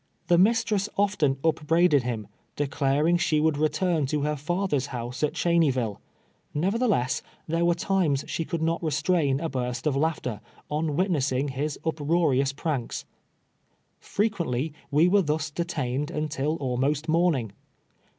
The mistress often upbrai<k'd him, declaring she would return to her father's house at Cheney ville ; nevertheless, there M'ere times she could not restrain a burst of laughter, on witnessing his uproarious pranks. Frerpiently, we were thus detained until al most morning.